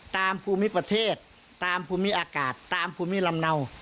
ภูมิประเทศตามภูมิอากาศตามภูมิลำเนา